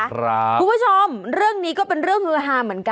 คุณผู้ชมเรื่องนี้ก็เป็นเรื่องฮือฮาเหมือนกัน